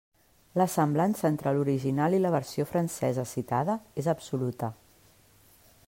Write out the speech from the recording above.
La semblança entre l'original i la versió francesa citada és absoluta.